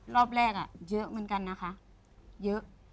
รอบแรกเยอะเหมือนกันนะคะเยอะ